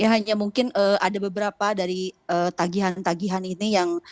hanya mungkin ada beberapa dari tagihan tagihan ini yang